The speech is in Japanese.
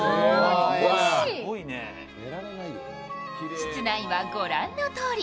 室内は、御覧のとおり。